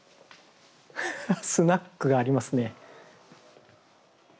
スナックがありますね。